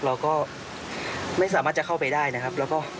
เราก็ไม่สามารถจะเข้าไปได้นะครับแล้วก็